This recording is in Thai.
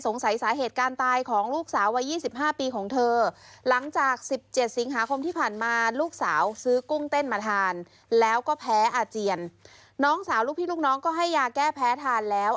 น้องสาวลูกพี่ลูกน้องก็ให้ยาแก้แพ้ทานแล้ว